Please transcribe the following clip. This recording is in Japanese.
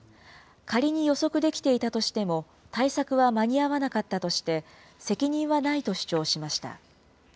仮に予測できていたとしても対策は間に合わなかったとして、責任はないと主張しました。